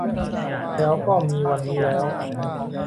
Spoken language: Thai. แล้วก็มีวันนี้แล้ว